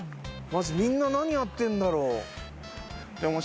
マジみんな何やってんだろ？